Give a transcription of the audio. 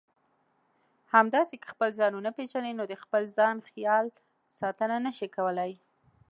همداسې که خپل ځان ونه پېژنئ نو د خپل ځان خیال ساتنه نشئ کولای.